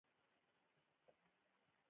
هغه د ټیم د کړو وړو مسؤل دی.